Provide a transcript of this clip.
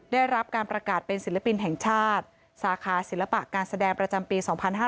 ได้รับการประกาศเป็นศิลปินแห่งชาติสาขาศิลปะการแสดงประจำปี๒๕๕๙